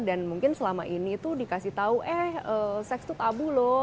dan mungkin selama ini tuh dikasih tahu eh seks tuh tabu loh